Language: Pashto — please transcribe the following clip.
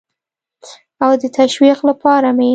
او د تشویق لپاره مې